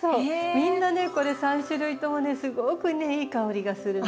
みんなねこれ３種類ともねすごくねいい香りがするの。